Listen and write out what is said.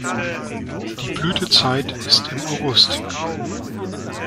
Die Blütezeit ist im August.